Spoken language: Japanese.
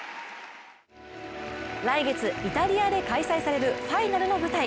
来月、イタリアで開催されるファイナルの舞台。